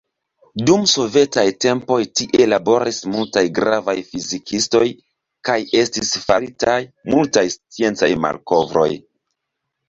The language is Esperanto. Dum sovetaj tempoj tie laboris multaj gravaj fizikistoj kaj estis faritaj multaj sciencaj malkovroj.